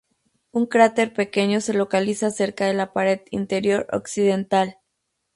Un cráter pequeño se localiza cerca de la pared interior occidental.